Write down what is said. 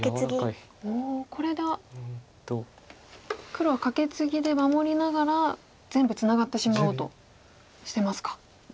これで黒はカケツギで守りながら全部ツナがってしまおうとしてますか。